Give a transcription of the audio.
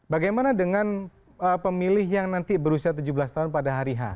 bagaimana dengan pemilih yang nanti berusia tujuh belas tahun pada hari h